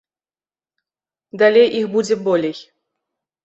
Далей іх будзе болей.